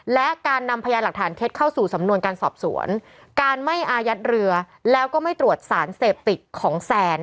และการนำพยานหลักฐานเท็จเข้าสู่สำนวนการสอบสวนการไม่อายัดเรือแล้วก็ไม่ตรวจสารเสพติดของแซน